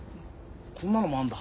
こんなのもあんだ。